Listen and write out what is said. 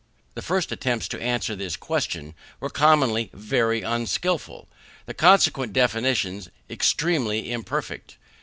The first attempts to answer this question were commonly very unskilful, and the consequent definitions extremely imperfect.